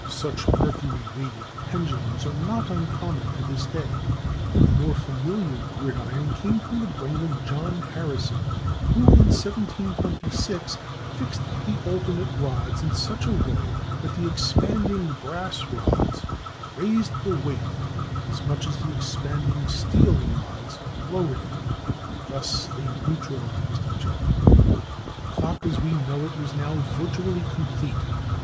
Such mercury weighted pendulums are not uncommon to this day, but the more familiar gridiron came from the brain of John Harrison, who, in 1726, fixed the alternate rods in such a way that the expanding brass rods raised the weight as much as the expanding steel rods lowered it. Thus they neutralized each other. The clock as we know it was now virtually complete.